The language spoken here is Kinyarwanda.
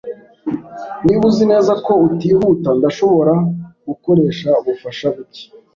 Niba uzi neza ko utihuta, ndashobora gukoresha ubufasha buke.